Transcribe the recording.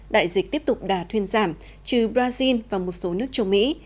đại dịch tiếp tục đà thuyên giảm trừ brazil và một số nước châu mỹ